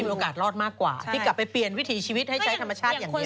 โอกาสรอดมากกว่าที่กลับไปเปลี่ยนวิถีชีวิตให้ใช้ธรรมชาติอย่างนี้